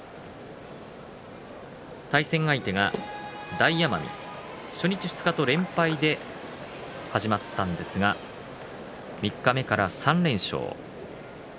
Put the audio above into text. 対戦相手は大奄美初日、二日と連敗で始まったんですが三日目から３連勝。